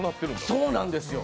そうなんですよ。